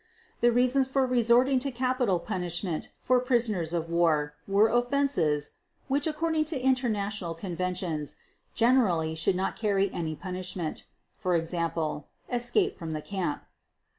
The reasons for resorting to capital punishment for prisoners of war were offenses, which according to international conventions, generally should not carry any punishment (for example, escape from the camp).